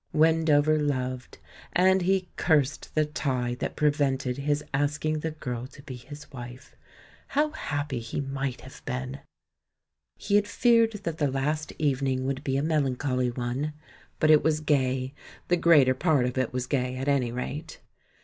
Wendo ver loved, and he cursed the tie that prevented his asking the girl to be his wife. How happy he might have been ! He had feared that the last evening would be a melancholy one. But it was gay — the greater part of it was gay, at any rate.